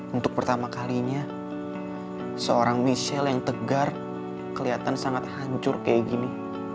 untuk pertama kalinya seorang michelle yang tegar kelihatan sangat hancur kayak gini